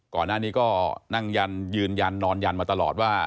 ก่อนหน้านี้ก็นั่งยันยืนยันนอนยันมาตลอดว่า